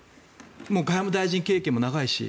もう外務大臣経験も長いし。